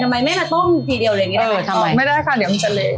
ทำไมไม่มาต้มทีเดียวเลยอย่างงี้นะคะเออทำไมไม่ได้ค่ะเหลืองเจล